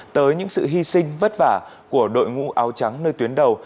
tới những sự hy sinh vất vả của đội ngũ áo trắng nơi tuyến đầu